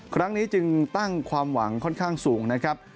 ครั้งนี้จึงตั้งความหวังค่อนข้างสูงนะครับ